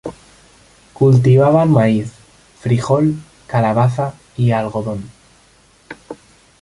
Cultivaban maíz, frijol, calabaza y algodón.